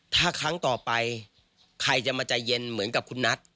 ถ้าครั้งต่อไปใครจะมาใจเย็นเหมือนกับคุณนัท